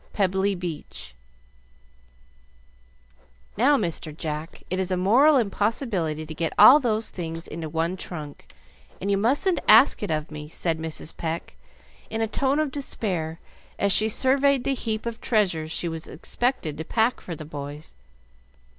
Pebbly Beach "Now, Mr. Jack, it is a moral impossibility to get all those things into one trunk, and you mustn't ask it of me," said Mrs. Pecq, in a tone of despair, as she surveyed the heap of treasures she was expected to pack for the boys.